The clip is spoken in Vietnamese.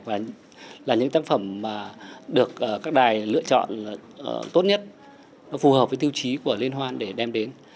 và là những tác phẩm mà được các đài lựa chọn tốt nhất nó phù hợp với tiêu chí của liên hoan để đem đến